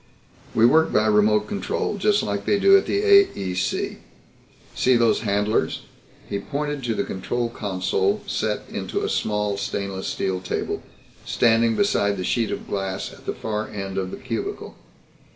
"We work by remote control, just like they do at the AEC. See those handlers?" He pointed to the control console set into a small stainless steel table standing beside the sheet of glass at the far end of the cubicle.